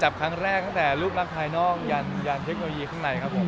ครั้งแรกตั้งแต่รูปลักษณ์ภายนอกยันเทคโนโลยีข้างในครับผม